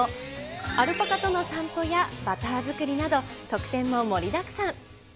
アルパカとの散歩やバター作りなど、特典も盛りだくさん。